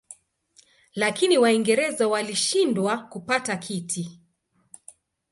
Lakini Waingereza walishindwa kupata kiti.